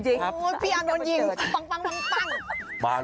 พี่อาจารย์โดนยิงปั๊ง